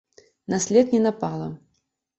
На след не напала.